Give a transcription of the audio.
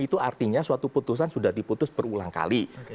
itu artinya suatu putusan sudah diputus berulang kali